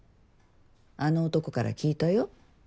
あの男から聞いたよ。